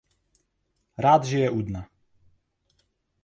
Rád žije u dna.